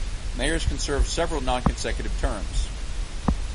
Mayors can serve several non-consecutive terms.